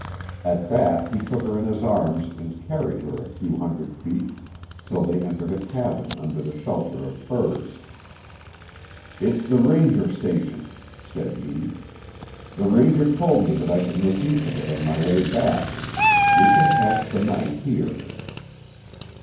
At that he took her in his arms and carried her a few hundred feet till they entered a cabin under the shelter of firs. "It's the ranger station," said he; "the ranger told me that I could make use of it on my way back. We can pass the night here."